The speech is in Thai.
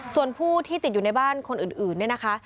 ส่วนผู้ที่ติดอยู่ในบ้านคนอื่นเนี่ยนะคะ